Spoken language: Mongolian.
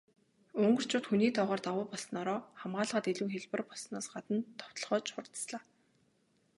Унгарчууд хүний тоогоор давуу болсноороо хамгаалахад илүү хялбар болсноос гадна довтолгоо ч хурдаслаа.